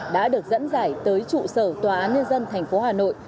đã được dẫn dải tới trụ sở tòa án nhân dân tp hà nội